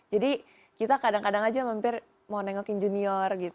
jadi kita kadang kadang aja mampir mau nengokin junior gitu